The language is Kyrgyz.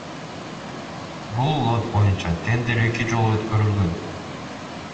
Бул лот боюнча тендер эки жолу өткөрүлгөн.